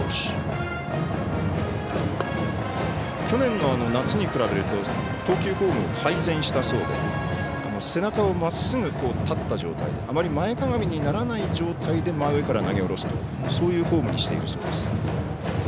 去年の夏に比べると投球フォームを改善したそうで背中をまっすぐ立った状態であまり前かがみにならない状態で真上から投げ下ろすとそういうフォームにしているそうです。